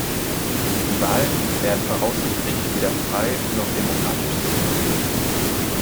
Die Wahlen werden voraussichtlich weder frei noch demokratisch sein.